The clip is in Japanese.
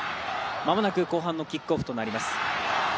間もなく後半のキックオフとなります。